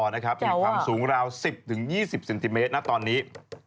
มีความสูงราว๑๐๒๐เซนติเมตรนะตอนนี้